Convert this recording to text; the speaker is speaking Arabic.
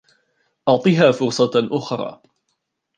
أعطِها فرصة أخرى.